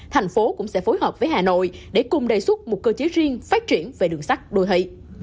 tp hcm cũng sẽ phối hợp với hà nội để cùng đề xuất một cơ chế riêng phát triển về đường sát đô thị